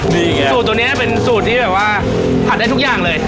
สูตรตัวนี้เป็นสูตรที่แบบว่าผัดได้ทุกอย่างเลย